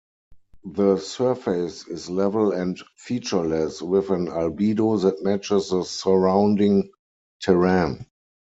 The surface is level and featureless, with an albedo that matches the surrounding terrain.